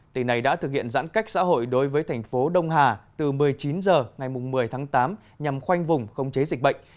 tỉnh này đã thực hiện giãn cách xã hội đối với thành phố đông hà từ một mươi chín h ngày một mươi tháng tám nhằm khoanh vùng khống chế dịch bệnh